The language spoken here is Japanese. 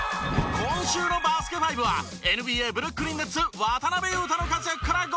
今週の『バスケ☆ＦＩＶＥ』はＮＢＡブルックリン・ネッツ渡邊雄太の活躍からご紹介！